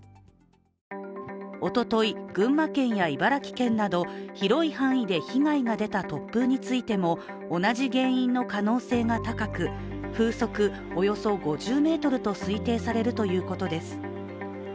おととい、群馬県や茨城県など広い範囲で被害が出た突風についても、同じ原因の可能性が高く、風速およそ５０メートルと推定されるということです